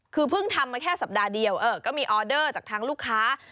คือเพิ่งทำมาแค่สัปดาห์เดียวก็มีออเดอร์จากทางลูกค้า